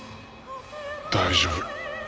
大丈夫。